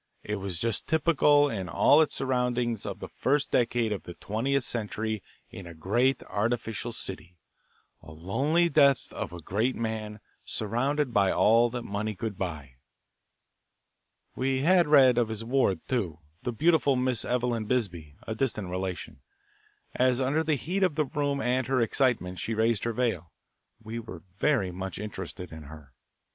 It was just typical in all its surroundings of the first decade of the twentieth century in a great, artificial city a lonely death of a great man surrounded by all that money could buy. We had read of his ward, too, the beautiful Miss Eveline Bisbee, a distant relation. As under the heat of the room and her excitement, she raised her veil, we were very much interested in her.